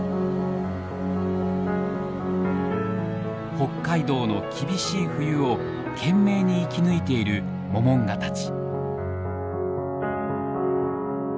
北海道の厳しい冬を懸命に生き抜いているモモンガたち。